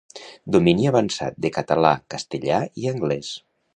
Domini avançat de català, castellà i anglès.